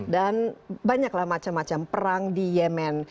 dan banyaklah macam macam perang di yemen